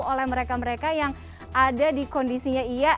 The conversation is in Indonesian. oleh mereka mereka yang ada di kondisinya iya